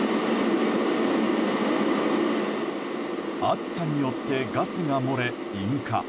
熱さによってガスが漏れ、引火。